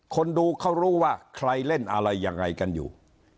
คนดูเขารู้ว่าใครเล่นอะไรยังไงกันอยู่